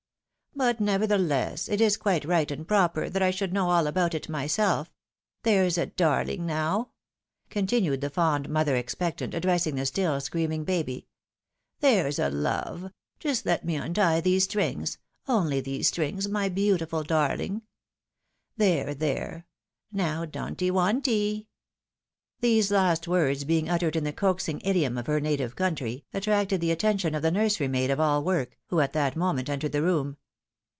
But, nevertheless, it is quite right and proper that I should know all about it myself— there's a darling now ;" continued the fond mother expectant, addressing the still screaming baby. " There's a love — just let me untie these strings, only these strings, my beautiful darling ! There, there, there — now donty wonty !" These last words being uttered in the coaxing idiom of her native country, attracted the attention of the nursery maid of all work, who at that moment entered the room.